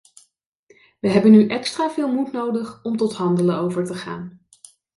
We hebben nu extra veel moed nodig om tot handelen over te gaan.